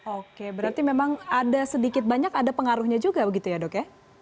oke berarti memang ada sedikit banyak ada pengaruhnya juga begitu ya dok ya